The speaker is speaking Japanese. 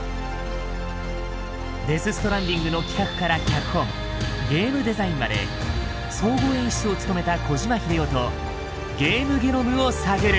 「デス・ストランディング」の企画から脚本ゲームデザインまで総合演出を務めた小島秀夫とゲームゲノムを探る。